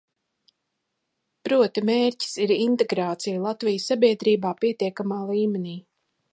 Proti, mērķis ir integrācija Latvijas sabiedrībā pietiekamā līmenī.